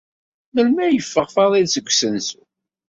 Melmi ay yeffeɣ Faḍil seg usensu?